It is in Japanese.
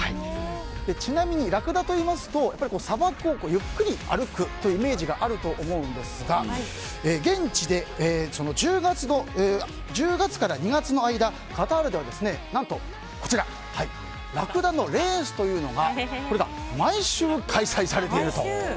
ちなみに、ラクダといいますとやはり砂漠をゆっくり歩くというイメージがあると思うんですが現地で１０月から２月の間カタールでは、何とラクダのレースというのが毎週開催されていると。